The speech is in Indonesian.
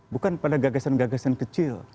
bukan pada gagasan gagasan kecil